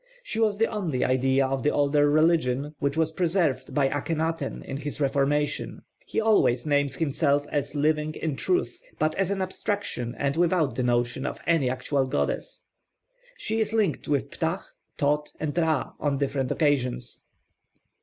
She was the only idea of the older religion which was preserved by Akhenaten in his reformation; he always names himself as 'living in truth,' but as an abstraction and without the notion of any actual goddess. She is linked with Ptah, Thōth, and Ra, on different occasions.